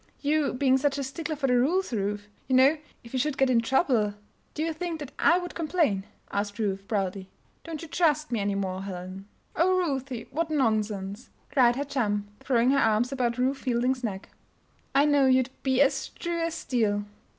"You being such a stickler for the rules, Ruth. You know, if we should get into trouble " "Do you think that I would complain?" asked Ruth, proudly. "Don't you trust me any more, Helen?" "Oh, Ruthie! what nonsense!" cried her chum, throwing her arms about Ruth Fielding's neck. "I know you'd be as true as steel."